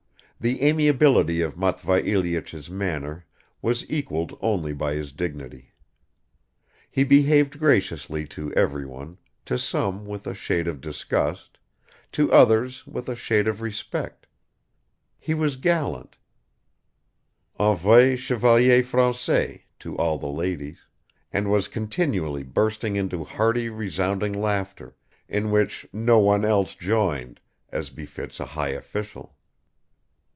The amiability of Matvei Ilyich's manner was equaled only by his dignity. He behaved graciously to everyone, to some with a shade of disgust, to others with a shade of respect, he was gallant, "en vrai chevalier français," to all the ladies, and was continually bursting into hearty resounding laughter, in which no one else joined, as befits a high official.